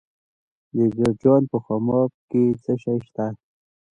د جوزجان په خماب کې څه شی شته؟